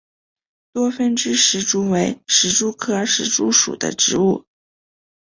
多分枝石竹为石竹科石竹属的植物。